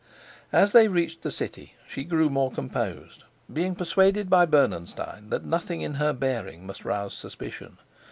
As they reached the city, she grew more composed, being persuaded by Bernenstein that nothing in her bearing must rouse suspicion.